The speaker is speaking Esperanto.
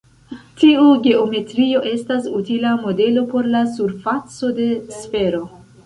Tiu geometrio estas utila modelo por la surfaco de sfero.